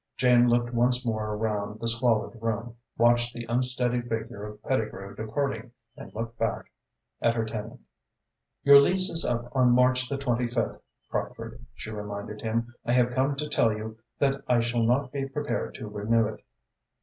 Jane looked once more around the squalid room, watched the unsteady figure of Pettigrew departing and looked back at her tenant. "Your lease is up on March the twenty fifth, Crockford," she reminded him. "I have come to tell you that I shall not be prepared to renew it."